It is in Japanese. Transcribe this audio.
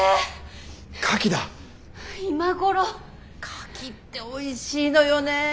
カキっておいしいのよね。